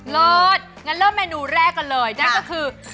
งั้นเริ่มเมนูแรกกันเลยนั่นก็คือ